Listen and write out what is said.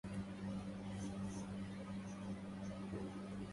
بالذي أجراك يا ريح الخزامى